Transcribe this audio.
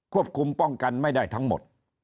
ควบคุมป้องกันไม่ได้ทั้งหมด